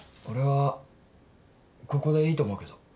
俺はここでいいと思うけど。